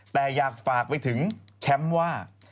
แต่อยากฝากไปถึงแชมป์ว่า